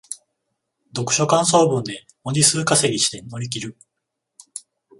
読書感想文で文字数稼ぎして乗り切る